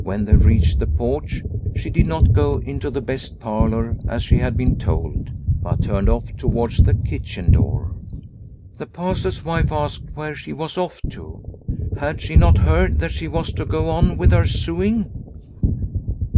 When they reached the porch she did not go into the best parlour, as she had been told, but turned off towards the kitchen door. The Pastor's wife asked where she was off to. Had she not heard that she was to go on with her sewing